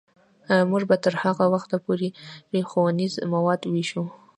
موږ به تر هغه وخته پورې ښوونیز مواد ویشو.